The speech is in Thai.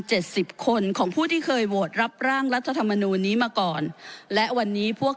สิบคนของผู้ที่เคยโหวตรับร่างรัฐธรรมนูลนี้มาก่อนและวันนี้พวก